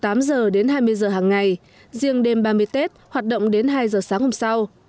từ tám giờ đến hai mươi giờ hàng ngày riêng đêm ba mươi tết hoạt động đến hai giờ sáng hôm sau